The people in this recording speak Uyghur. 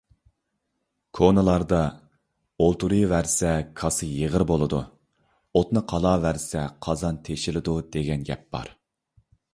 كونىلاردا: «ئولتۇرۇۋەرسە كاسا يېغىر بولىدۇ! ئوتنى قالاۋەرسە قازان تېشىلىدۇ» دېگەن گەپ بار.